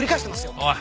おい！